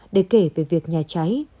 để kể về việc nhà cháy